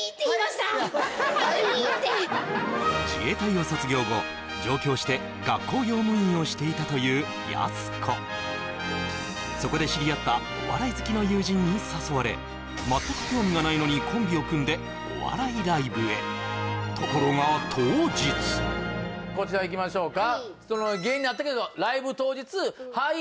で自衛隊を卒業後上京して学校用務員をしていたというやす子そこで知り合ったお笑い好きの友人に誘われ全く興味がないのにコンビを組んでお笑いライブへところが当日こちらいきましょうか芸人になったけどライブ当日はい！